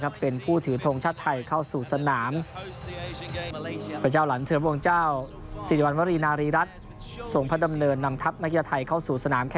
การเป็นครั้งที่๙เป็นผู้ถือท้องชาติไทยเข้าสู่สนาม